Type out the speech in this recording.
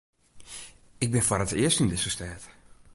Ik bin foar it earst yn dizze stêd.